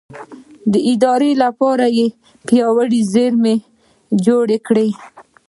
د ادارې لپاره یې پیاوړې زېربنا جوړه کړه.